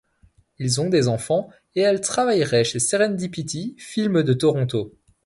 Ils ont des enfants et elle travaillerait chez Serenpidity films de Toronto.